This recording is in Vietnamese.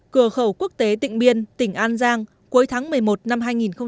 cửa khẩu quốc tế tịnh biên tỉnh an giang cuối tháng một mươi một năm hai nghìn một mươi chín